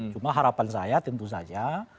cuma harapan saya tentu saja